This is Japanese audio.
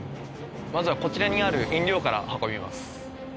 まずはこちらにある飲料から運びます。